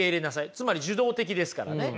つまり受動的ですからね。